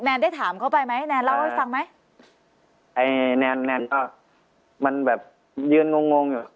ได้ถามเขาไปไหมแนนเล่าให้ฟังไหมไอ้แนนแนนก็มันแบบยืนงงงงอยู่